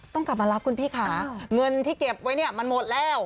ต้องกลับมารับคุณพี่ค่ะเงินที่เก็บไว้เนี่ยมันหมดแล้ว